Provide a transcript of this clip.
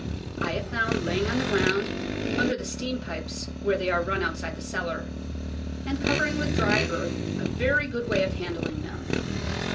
I have found laying on the ground (under the steam pipes where they are run outside the cellar) and covering with dry earth a very good way of han dling them.